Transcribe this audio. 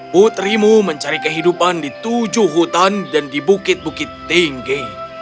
putrimu mencari kehidupan di tujuh hutan dan di bukit bukit tinggi